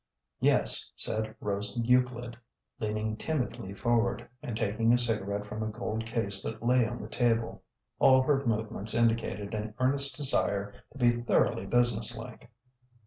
"Yes," said Rose Euclid, leaning timidly forward, and taking a cigarette from a gold case that lay on the table. All her movements indicated an earnest desire to be thoroughly businesslike.